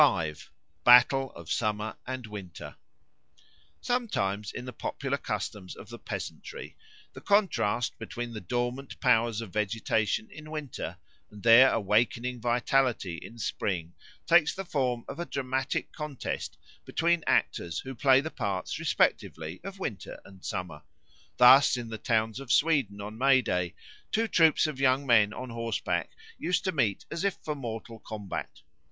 5. Battle of Summer and Winter SOMETIMES in the popular customs of the peasantry the contrast between the dormant powers of vegetation in winter and their awakening vitality in spring takes the form of a dramatic contest between actors who play the parts respectively of Winter and Summer. Thus in the towns of Sweden on May Day two troops of young men on horseback used to meet as if for mortal combat.